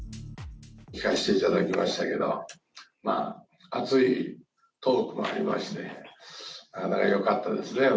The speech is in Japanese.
聞かしていただきましたけど、熱いトークもありまして、よかったですね。